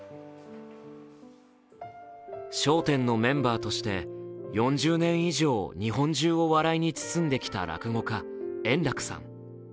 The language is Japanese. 「笑点」のメンバーとして４０年以上、日本中を笑いに包んできた円楽さん。